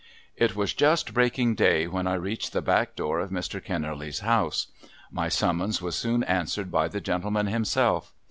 It was just breaking day when I reached the back door of Mr. Kennerly's house. My summons was soon answered by the gentleman himself.